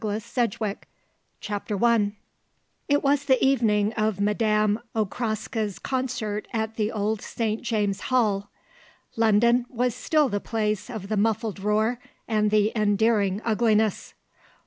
TANTE PART I CHAPTER I It was the evening of Madame Okraska's concert at the old St. James's Hall. London was still the place of the muffled roar and the endearing ugliness.